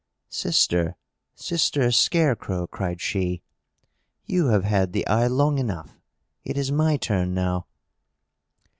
"Sister! Sister Scarecrow!" cried she, "you have had the eye long enough. It is my turn now!"